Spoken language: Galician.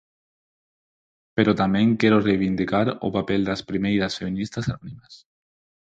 Pero tamén quero reivindicar o papel das primeiras feministas anónimas.